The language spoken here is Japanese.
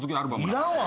いらんわ！